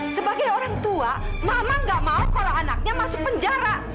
sebagai orang tua mama gak mau kalau anaknya masuk penjara